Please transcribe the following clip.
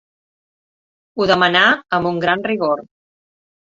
Ho demanà amb un gran rigor.